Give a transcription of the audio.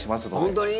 本当に？